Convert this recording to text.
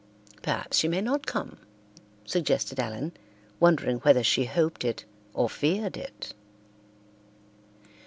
"Perhaps she may not come," suggested Ellen, wondering whether she hoped it or feared it.